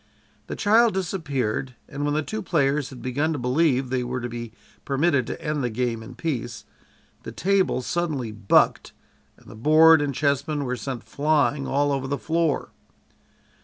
The child disappeared, and when the two players had begun to believe they were to be permitted to end the game in peace, the table suddenly "bucked" and the board and chessmen were sent flying all over the floor.